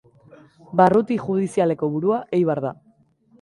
Barruti judizialeko burua Eibar da.